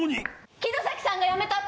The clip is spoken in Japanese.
木之崎さんがやめたって！